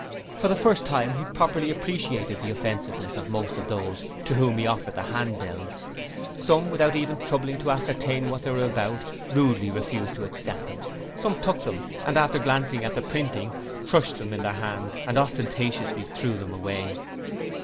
For the first time he properly appreciated the offensiveness of most of those to whom he offered the handbills; some, without even troubling to ascertain what they were about, rudely refused to accept them; some took them and after glancing at the printing, crushed them in their hands and ostentatiously threw them away.